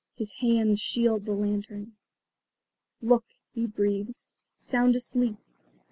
His hands shield the lantern. "Look," he breathes. "Sound asleep.